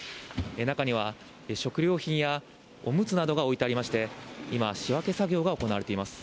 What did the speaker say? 中には、食料品やおむつなどが置いてありまして、今、仕分け作業が行われています。